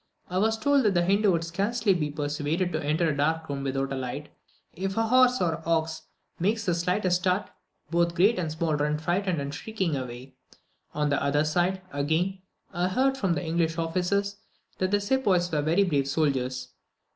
I was told that a Hindoo could scarcely be persuaded to enter a dark room without a light; if a horse or ox makes the slightest start, both great and small run frightened and shrieking away. On the other side, again, I heard from the English officers that the sepoys were very brave soldiers.